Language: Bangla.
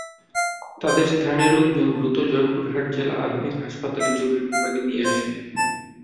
তাঁদের স্থানীয় লোকজন দ্রুত জয়পুরহাট জেলা আধুনিক হাসপাতালের জরুরি বিভাগে নিয়ে আসেন।